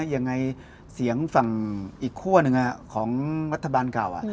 ยังไงเสียงฝั่งอีกขั้วหนึ่งของรัฐบาลเก่า